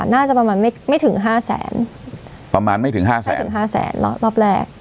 น่าจะประมาณไม่ไม่ถึงห้าแสนประมาณไม่ถึงห้าแสนไม่ถึงห้าแสนแล้วรอบแรก